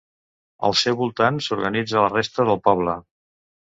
Al seu voltant s'organitza la resta del poble.